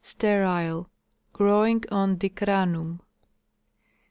Sterile ; growing on Dicranum.